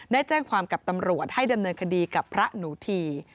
ได้แจ้งความกับตำรวจให้ดำเนินคดีกับพระหนูที